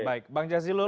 baik bang jazilul